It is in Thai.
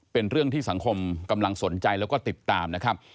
เป็นเรื่องที่สังคมกำลังสนใจแล้วก็ติดตามนะครับ